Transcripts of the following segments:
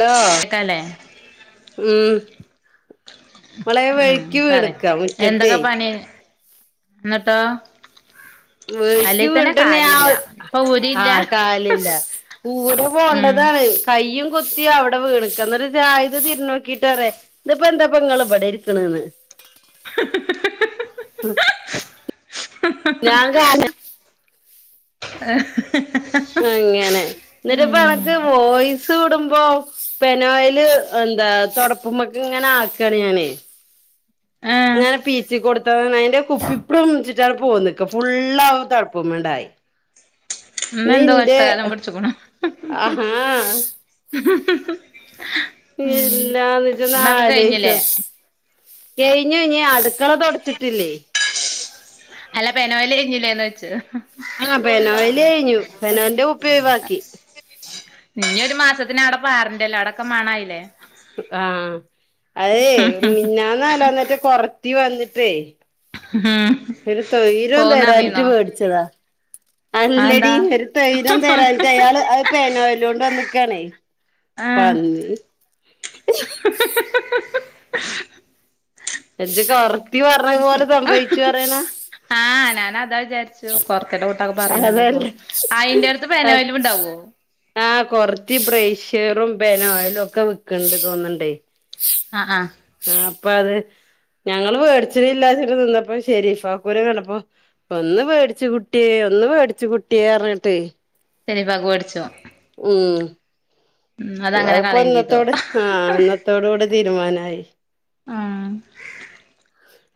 To കേക്കാല്ലേ ഉം മോളെ ഉം വഴുക്കി പറയ് കെടുക്ക മുറ്റത്തെ ഇന്നട്ടോ? വീക്ക് വീണ്ട്ന്ന ആ ഊരില്ല കാലില്ല കൂട് ഉം പോണ്ടതാണ് കയ്യും കു ത്തിഅവിടെ വീണക്ക. അന്ന്ട്ട് റായിദ് തിരിഞ്ഞു നോക്കീട്ട് പറേ ദ്പ്പെന്താപ്പ ങ്ങള് ഇബ്ടെ ഇരിക്കണേന്ന്. ഹ് ഹ് ഹ് ഹ് ഹ് ഹാ ഞാൻ കാല് [inaudible] ആഹ്ഹ് ഹ് അങ്ങനെ ന്ന്ട്ട് പ്പെടക്ക് വോയിസ് ത്ത് ടുമ്പോ പെനോയില് എന്താ തൊടപ്പ്മക്ക്ങ്ങനെ ആക്കാണ് ഞാനേ ഏഹ് അങ്ങനെ പീച്ചി കൊടുത്തതാണ് അയിന്റെ കുപ്പി പ്റുംച്ട്ടാണ് പോന്നിക്ക ഫുള്ളാവും തൊട പ്പ് മിണ്ടായി ഇന്ന് എന്തോ നിന്റെ കഷ്ടകാലം ഹ്... പിടിച്ച്ക്ക്ണു അഹാ ഹു ഹു ഹും ഹെ ഇല്ലാന്ന് ഇജ്ജ് ഒന്ന് ആലോയി ച്ചോക്ക് കയിഞ്ഞുയിഞ്ഞി അടുക്കള തുടച്ചിട്ടില്ലേയ് അല്ല പെനോയില് കഴിഞ്ഞിലേന്നൊ ച്. ഹ് ആ ഹ് പെനോയില് കഴിഞ്ഞു പെനോലിന്റെ കുപ്പി ഒഴിവാക്കി [inaudible] ഇഞ്ഞിയൊരു മാസത്തിന് ആടെ പാരണ്ടല്ലോ അവിടൊടൊക്കെ മണായില്ലേ. അ ആ അതേയ് മിഞ്ഞാന്നോ നാലാന്നെറ്റെ കൊറത്തി വന്നിട്ടേ മ് [inaudible] ഒരു തൊയ്ര്യോം തരാഞ്ഞിട്ട് വേ ടിച്ചതാ അതെന്താ അല്ലടി ഒരു തൊയ്രം തരാഞ്ഞിട്ട് അയാള് അത് പേനോയ്ലോണ്ട് വന്ന്ക്കാണേ ആഹ് പഞ് [inaudible] [unintelligible] ഇജ്ജ് കൊറത്തി പറഞ്ഞ പോലെസംഭവിച്ചു പറയാന ആ ഞാനതാ വിചാരിച്ചു [unintelligible] പർയ്ണണ്ടപ്പം അതല്ല അയിന്റെട്ത്ത് പെനോയ്ലുണ്ടാവോ ആഹ് കൊറതി ബ്രയിഷ്യറും പെനോയിലുംക്കെ വിക്കണ് ണ്ട് തോന്ന്ണ്ടേ അ ആ ആഹ് അപ്പത് ഞങ്ങള് വേടിച്ചിലില്ലാച്ചട്ട് നിന്നപ്പ ശെരീഫാക്കൂനെ കണ്ടപ്പൊ ഒന്ന് വേടിച്ചു കുട്ടിയേ ഒന്ന് വേടിച് കുട്ടിയേറഞ്ഞിട്ടേ ശരി ബാഗ് വേടിച്ചോ ഉം ആഹ് അതങ്ങനെ അതിപ്പ കളയും ഇന്നത്തോട് ചെയ്തു ഹാ ഇന്നത്തോടുടെ തീരുമാനായി ആ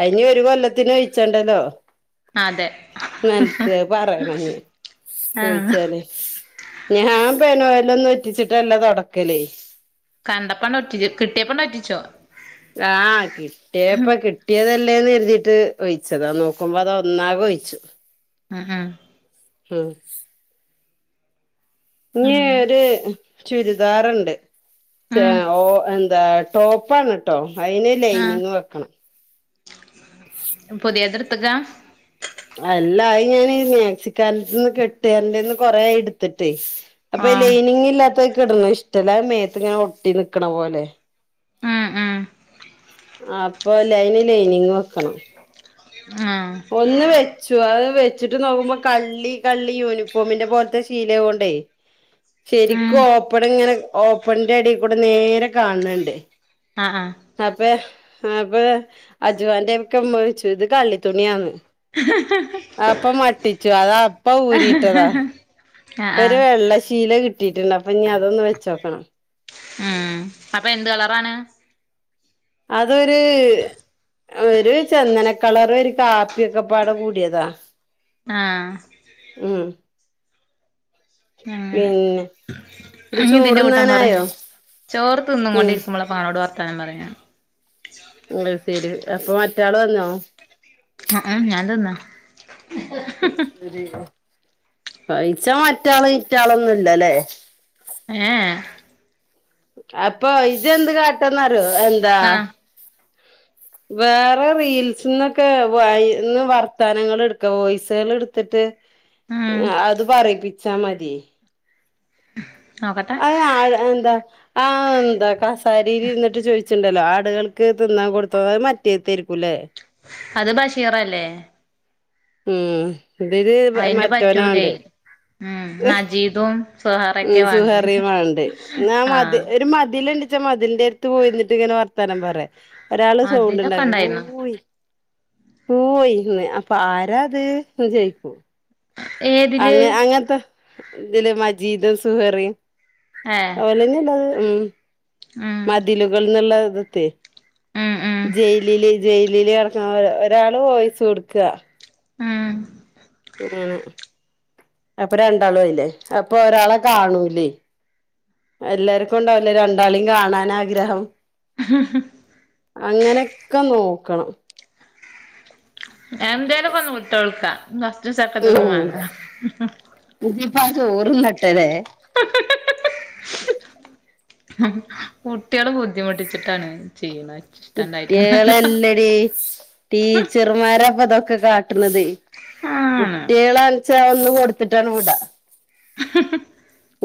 ആയ് ഇനിഒരു കൊല്ലത്തിന് ഒ യിച്ചണ്ടല്ലോ അതെ ന്നലത്തെ പറയണഞ്ഞി ആഹ് ചോയിച്ചാലേ ഞാൻ പെനോയിലൊന്നും ഒറ്റിച്ചിട്ടല്ല തൊടക്കല് കണ്ടപ്പണ്ടൊറ്റിച്ച് കിട്ടിയപ്പണ്ടൊറ്റിച്ചു അ ആ കിട്ടിയപ്പ കിട്ട് ട്ടിയതല്ലേന്ന് കരുതീട്ട് ഒയിച്ചതാ നോക്കുമ്പോ അതൊന്നാകെ ഒയിച്ചു ആ ആഹാ ഹ്.. ഇഞ്ഞി ഉം അങ്ങനെ ഒര് ചുരിദാറ്ണ്ട് താ ഉം ഓഎന്താ ടോപ്പാണ് ട്ടോ അയിന് ലൈനിങ്ങ് വെക്കണം പുതിയത്ട്ത്ത് ക്ക അല്ലായി ഞാനീ മാക്സിക്കാരന്റെ ട് ത്ത്ന്ന് കെട്ടേരന്റട്തന്ന് കൊറേയി ഇടുത്തിട്ടേ അപ്പൊ ആഹ് ലൈനിങ് ഇല്ലാത്തത് ക്ക് ഇടണ ഇഷ്ടല്ല. അത് മേത്ത് ഇങ്ങനെ ഒട്ടി നിക്കണ പോലെ ഉം ഉം ആപ്പൊ ലൈന് ലൈനിങ് വെക്കണം ആ.. ഒന്ന് വെച്ചു. അത് വെച്ചിട്ട് നോക്കുമ്പോ കള്ളി കള്ളി യൂണിഫോമിന്റെ പോൽത്തെ ശീല ആവ്വോണ്ടേയ് ഉം ശരിക്കും ഓപ്പൺ ഇങ്ങനെ, ഓപ്പൺന്റെ എടേകൂടെ നേരെ കാൺ ണ്‌ണ്ട് ആഹ് ആഹ് അപ്പൊ അപ്പൊ അജവാന്റെ ഒക്കെമ്മ ചോദിച്ചു ഇത് കള്ളിത്തുണിയാന്ന് അപ്പം മട്ടിച്ചു. അതപ്പം ഊരിട്ടതാ ആഹ് പ്പൊ ഒരു ആഹ് വെള്ള ശീല കിട്ടീട്ടുണ്ട്. അപ്പൊ ഇനി അതൊന്ന് വെച്ചോക്കണം. ആഹ് അപ്പൊ എന്ത് കളറാണ് അതൊര് ഒരു ചന്ദനക്കളർ ഒരു കാപ്പിയൊക്കെപാടെ കൂടിയതാ ആഹ് ഉം അങ്ങനെ. പിന്നെ ഇത് അ ന്നി തിന്റെ കൂട്ടം പറയ്. ചോറുണ്ണാനായോ ചോറ് ഉം തിന്നുംകൊണ്ടിരിക്കുമ്പള ഇപ്പാനോട് വർത്താനം പറയാ അയ്സരി അപ്പോ മറ്റാള് വന്നോ? ആഹ് ഞാൻ തിന്നാ പൈച്ച മറ്റാള് ഇറ്റാളൊന്നുംല്ല ലേ ഏഹ് ഏഹ് അപ്പൊ ഇജെന്ത് കാട്ടാന്നറിയോ എന്താ ആഹ് വേറെ റീൽസ്ന്നൊക്കെ വയ് ന്ന് വർത്താനങ്ങള്ട്ക്ക. വോയ്സേള്ട്ത്ത്ട്ട് ഉം അത് പറയിപ്പിച്ചാ മതി നോക്കട്ടെ അത് ആ എന്താ ആഹ് ന്താ കസാരയിൽ ഇരുന്നിട്ട് ചോയ്ച്ച്ണ്ടല്ലോ ആട്കൾക്ക് തിന്നാൻ കൊടുത്തോന്ന്. അത് മറ്റേത്തേയ്ര്ക്കു ലേ.. അത് ബഷീറല്ലേ? ഉം ഇതില് അയിന്റെ മറ്റോന പറ്റൂലേ വേണ്ടേ ഉം നജീദും സുഹാറൊക്കെ വാണ്ട് സുഹറി മാണ്ടേ ന്നാ ആഹ് മതി ഒരു മതില്ണ്ട് ഇജ്ജ് മതിലിന്റെ അടുത്ത് പോയിന്നിട്ട് ഇങ്ങനെ വർത്താനം പറയ് ഒരാള് സൗണ്ട് അതിലൊക്കെ ഉണ്ടാക്ക കൂയി ഉണ്ടായിരുന്നു കൂയി കൂയിന്ന് അപ്പൊ ആരാത് എന്ന് ചോദിക്കും ഏതില് അങ്ങ അങ്ങൻത്തെ തില് മജീദും സുഹറിയും ഏഹ് ഓലന്നെല്ലത് ഉം ഉം മതിലുകൾന്ന്ള്ളത് ത്തെയ് ഉം ഉം ജയിലില് ജയിലില് കിടക്കാ ഒരാളെ വോയിസ് കൊടുക്കുക ആഹ് അങ്ങനെ. അപ്പൊ രണ്ടാളും ആയിലേ.. അപ്പൊ ഒരാളെ കാണൂലെയ് എല്ലാര്ക്കും ഉണ്ടാവൂലേ രണ്ടാളിം കാണാനാഗ്രഹം [unintelligible] അങ്ങനെക്കെ നോക്കണം എന്തേലും ഒക്കെ ഒന്ന് വിട്ടൊട്ക്ക. ഫസ്റ്റും സെക്കൻഡൊന്നും വേണ്ട ഇനിപ്പ ആ ചോറ്ന്നട്ട ലേ [unintelligible] കുട്ട്യള് ബുദ്ധിമുട്ടിച്ചിട്ടാണ് ചെയ്യണേ കുട്ട്യേളല്ലടീ... ടീച്ചർമാരാപ്പൊതൊക്കെ കാട്ട്ണതെയ് ആണ് കുട്യേളാൺച്ചാ ഒന്ന് കൊടുത്തിട്ടാണ്ട് വിട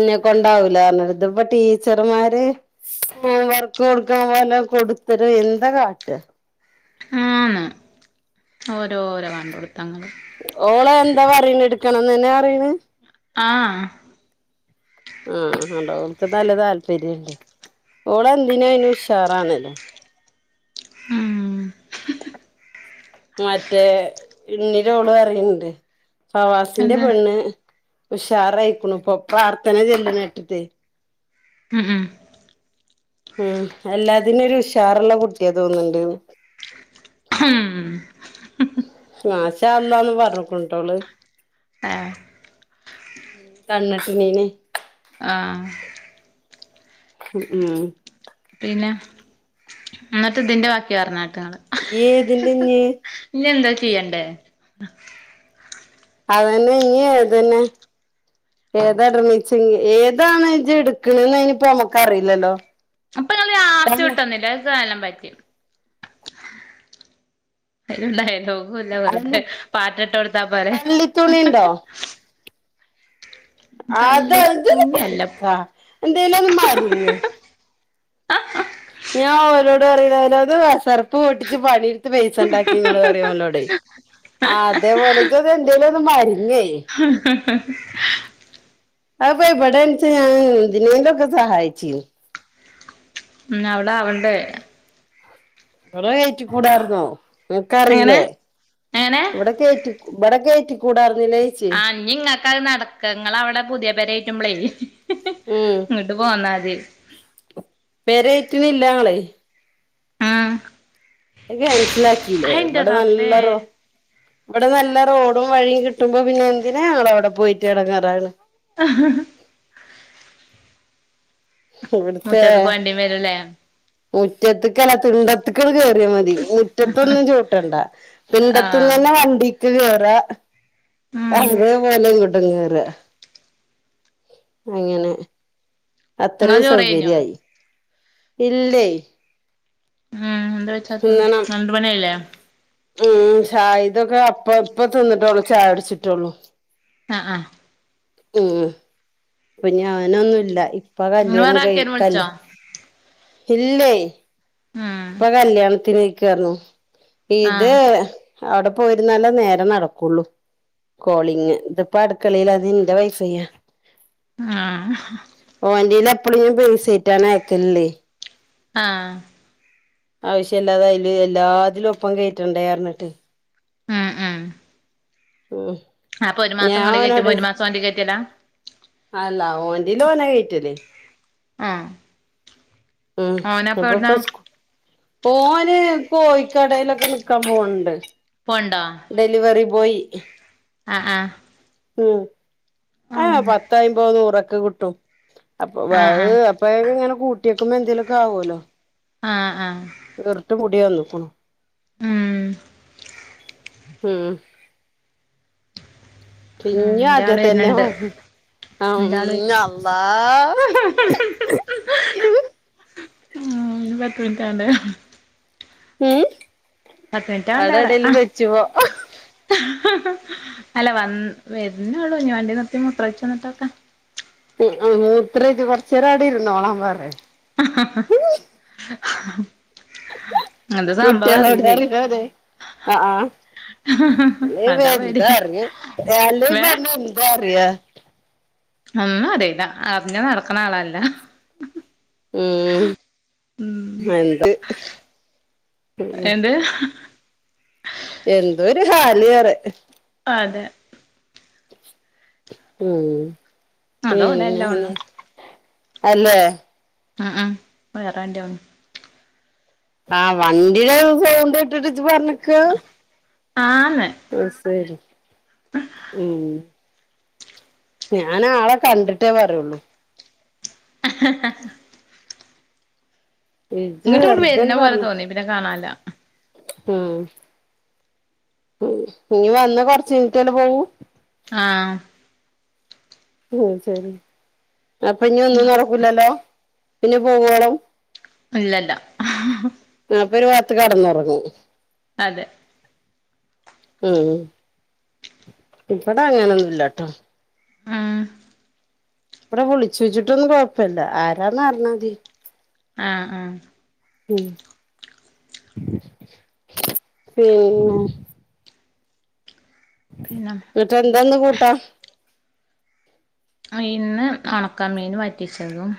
ഇനെക്കെണ്ടാവൂല ഇതിപ്പ ടീച്ചർമാര് ഹോംവർക്ക് കൊടുക്കാൻ പോലെ കൊടുത്തരും എന്താ കാട്ട ആഹ് അ ഓരോഓരോ കണ്ടുപിടുത്തങ്ങള് ഓള് എന്താ പറിണ്. ഇട്ക്കണം ന്നെന്നേ പറിണ് ആഹ് ആഹ കണ്ടോ, ഓൾക്ക് നല്ല താല്പര്യണ്ട്. ഓൾ എന്തിനും അയ്നുഷാറാണല്ലോ ഉം മറ്റേ ഇണ്ണി ലോള് പറയണ്ട് ഫവാസിന്റെ എന്ത് പെണ്ണ് ഉഷാറായിക്കണു പ്പം പ്രാർത്ഥന ചെല്ലുന്ന കേട്ടിട്ട് ഉമ് ഉമ് ഉമ് എല്ലാത്തിനും ഒരു ഉഷാറുള്ള കുട്ടിയാ തോന്നുൻണ്ട് ഉം മാശ അള്ളാന്ന്പറഞ്ഞക്കണ്ട്ടോ അവള് ഏഹ് ആഹ് കണ്ണട്ടി നയിനെ ആഹ് ഉംഉം പിന്നെ എന്നിട്ട് ഇതിന്റെ ബാക്കി പറഞ്ഞാട്ടങ്ങള് ഏതിന്റെ ഞ്ഞി ഇഞ്ഞി എന്താ ചെയ്യണ്ടേ അതന്നെ ഇഞ്ഞീഅതന്നെ ഏതാ ഇടണീച്ചിഏതാണ് എടുക്കണന്ന് അതിനിയിപ്പ നമ്മക്ക് അറിയില്ലല്ലോ അപ്പൊ ഞങ്ങള് തന്നെ [unintelligible] പറ്റി അല്ല കള്ളിത്തുണി [unintelligible] ഉണ്ടോ അത അത് കള്ളിത്തൂണി അല്ല പോയിക്കാ എന്തല്ല മാറി ഞാൻ ഓരോട് പറയിയാലും അത് വസർപ്പ് പൊട്ടിച്ച് പണി പൈസ ഉണ്ടാക്കി നിങ്ങ അറിയല്ലോടെ അതേപോലെത് എന്തേലും ത് മരിങ്ങേ ആ ഹഹ അവ് വടെ ൻച ഞാൻ എന്തിനെ കെ സഹായിചിനി ഉം ന്നാ അവൾ അവൾടെ ഇവിടെ കേറ്റിക്കൂടായിരുന്നോ എങ്ങനെ നിനക്കറിയില്ലേ എങ്ങനെ ഇവിടെ കേറ്റി ഇവട കെറ്റി കൂടായിരുന്നില്ലേ ച്ചി ഇനി ഇങ്ങക്ക് നടക്ക ങ്ങളവിടെ പുതിയ പെര കിട്ടു മ്പോളേ ഇങ്ങോട്ട് പോന്നാതി പേരഏറ്റിനഇല്ലാ ഞങ്ങള് ഉം അത് ക്യാൻസലാക്കിയില്ലേ അയിന്റെ ഇവിടെ റബ്ബേ നല്ലറോ ഇവിടെ നല്ല റോഡും വഴിയും കിട്ടുമ്പോ പിന്നെ എന്തിനാ ഞങ്ങ അവിടെ പോയിട്ട് കിടങ്ങാറാണ് ആ [inaudible] ഇവിടുത്തെ മുറ്റത്ത്ക്ക് വണ്ടിം വരുംല്ലേ മുറ്റത്തക്കല്ല തിണ്ടം [unintelligible] കേറിയാ മതി മുറ്റത്തൊന്നും ചൗട്ടണ്ട ആഹ് തിണ്ടത്തന്നെ വണ്ടിക്ക് കേറാ ഉം അതപോലെ [unintelligible] അങ്ങനെ ഇങ്ങളെ അത്രയും ചോറെയ്ഞ്ഞോ സൗകര്യായി ഇല്ലേ ഉമ് എന്താചത്തെ [unintelligible] ല്ലേ ഉ ഷാഹി തൊക്കെ അപ്പ അപ്പ തിന്നിട്ട്ടുള്ളൂ ചായകുടിച്ചിട്ടുള്ളൂ ആഹ് ആഹ് ഉമ് പി ഞാനൊന്നുല്ല ഇപ്പ ഇങ്ങള് കല്യാണം വേറെ ആർക്കേലും വിളിച്ചോ കയ്കലൊ ഇല്ലേ ഉം ഇപ്പ കല്യാണത്തിന്ക്ക്ന്നു ഇത് ആഹ് അവിടെ പോയിരുന്നല്ല നേര നടക്കുള്ളു കോളിങ് ഇത് പാട്ക്കളയില അത ഇന്റെ വൈഫൈ ആഹ് ഓൻന്റെൽ എപ്പഴും ബേസെന്റാണ് അയക്കല്ല് ആഹ് ആവശ്യം ഇല്ലാതായാലും എല്ലാതിലും ഒപ്പം കേറ്റണ്ടേ പർഞ്ഞിട്ട് ഉമ് ഉമ് ഓഹ് അപ്പൊ ഒരു മാസം നിങ്ങള് കയറ്റുമ്പോ ഒരു മാസം വണ്ടി കയറ്റൂല അല്ല ഓന്റെൽ ഓന കേറ്റൽ ആഹ് ഉം ഓനപ്പ എവിടുന്നാ അപ്പപ്പൊ സ് ഓന് കോഴിക്കടയിലൊക്കെ നിക്കാൻ പോവണ്ട് പോവുണ്ടോ ഡെലിവറി ബോയ് ആഹ ആഹ ഉം ആഹ് പത്തോ അയ്മ്പതോ നൂറൊക്കെ കിട്ടും അപ്പൊ ആഹ് അത് ആഹ് അപ്പ ഇങ്ങനെ കൂട്ടിവെയ്ക്കുമ്പോ എന്തേലുമൊക്കെ ആവുമല്ലോ ആഹ ആഹ [unintelligible] മുടിയെ ഉള്ളു ഇപ്പൊ ഉംമ് ഉംമ് ഉം പിന്നിം ആദ്യ ഇന്റാള് തന്നെ വര്ന്ണ്ട് ആ ഉം ഇന്റാള് അള്ളാ ഉമ് [unintelligible] പത്ത് [inaudible] മിനിറ്റാവണ്ട പറയാ ആടെടേലും വെച്ചുവോ അല്ല വ വരുന്നോള്ളൂ ഞ് വണ്ടി നിർത്തി മുത്രഒയിച്ചു വന്നിട്ടനോക്കാം മൂത്രയിച് കുറച്ചേരം അവിടെ ഇരുന്നോളാം പറയും ഹ് ഹ് കുട്ടിയളോട് [unintelligible] അ ആഹ് അല്ലെ പിന്നെ അതാ പേടി ന്താ അറിയ അല്ലേ വേ പിന്നെ എന്താ അറിയ ഒന്നും അറീല അർഞ്ഞ നടക്ക്ണ ആളല്ല ഉം എന്ത് ഉം ഇത് എന്തോ ഒരു ഹാല് അറെ അതെ ഉമ് അതോലെ എല്ലാ പിന്നെ ഒണ്ണും അല്ലേ അ അ [unintelligible] ആഹ് വണ്ടിയുടെ സൗണ്ട് കെട്ടീട്ട് ജ്ജ് പറഞ്ക്കാ ആന്ന് അത് ശരി ഉമ് ഞാൻ ആളെ കണ്ടിട്ടേ പറയൊള്ളൂ ഹ ഹ ഇജ്ജ് ഇങ്ങോട്ട് ഇങ്ങോട്ട് വെറുതെ ആണ് വരുന്ന പോലെ പറയും തോന്നി പിന്നെ കാണാല്ല ഉംമ് ഇനി വന്ന കൊറച്ച് കയിഞ്ഞിട്ട് പോകൂമ് ആഹ ഉമ് ശരി അപ്പൊ ഇനി ഒന്നും നടക്കില്ലല്ലോ പിന്നെ പോവോളും ഇല്ലല്ല അപ്പൊ ഒരു ഭാഗത്ത് കടന്നുറങ്ങും അതെ ഉംമ് ഇവിടെ അങ്ങനൊന്നും ഇല്ലട്ടോ ആഹ ഇവിടെ വിളിച്ചു ചോച്ചിട്ടൊന്നും കുഴപ്പില്ല ആരാന്ന് പറഞ്ഞാ മതി ആഹ് ആഹ് ഹമ് ഉമ് പിന്നെ ന്നട്ട് എന്താന്ന് കൂട്ടാൻ ഇന്ന് ഉണക്കാമീന് വറ്റിച്ചതും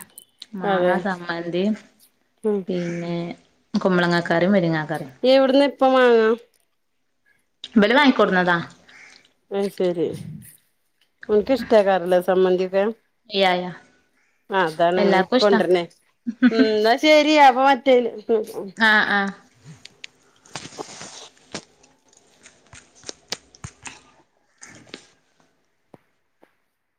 മാങ്ങ അതെ സമ്മന്തി ഉം പിന്നെ കുമ്പളങ്ങ കറിയും മുരിങ്ങക്കറിയും എവിടുന്നെ ഇപ്പം മാങ്ങാ ബല് വാങ്ങിക്കൊടുന്നതാ അയ്ശരി. അൻക്ക്ഷ്ടാക്കാരല്ലേ സംമ്മന്തി ക്കെ ഇയായ അതാണ് എല്ലാർക്കും ഇഷ്ടാ കൊണ്ടെര്നെ ഇന്നാ ശെ ശെരിയാ അപ്പ മറ്റേൽ ആ ആ